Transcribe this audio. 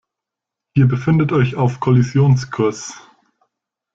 Ihr befindet euch auf Kollisionskurs.